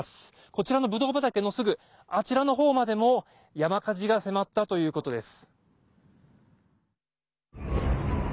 こちらのぶどう畑のすぐあちらの方までも山火事が迫ったということです。